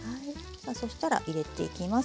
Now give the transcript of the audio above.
さあそしたら入れていきます。